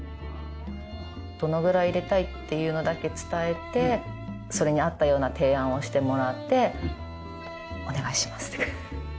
どのぐらい入れたいっていうのだけ伝えてそれに合ったような提案をしてもらって「お願いします」って。